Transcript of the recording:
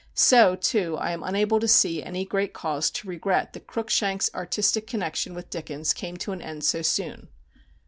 So, too, I am unable to see any great cause to regret that Cruikshank's artistic connection with Dickens came to an end so soon.